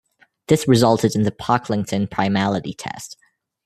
This resulted in the Pocklington primality test.